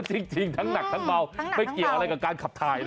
จริงทั้งหนักทั้งเบาไม่เกี่ยวอะไรกับการขับถ่ายนะ